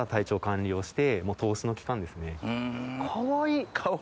かわいい！